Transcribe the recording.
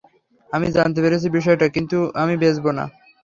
আমি জানতে পেরেছি বিষয়টা, কিন্তু আমি বেচবো না।